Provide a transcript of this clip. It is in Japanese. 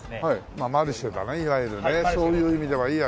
まあマルシェだねいわゆるねそういう意味では。